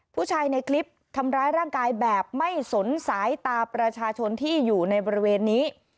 ผู้ชายในคลิปทำร้ายร่างกายแบบไม่สนสายตาประชาชนที่อยู่ในบริเวณนี้